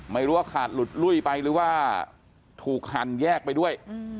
ไม่รู้ว่าขาดหลุดลุ้ยไปหรือว่าถูกหั่นแยกไปด้วย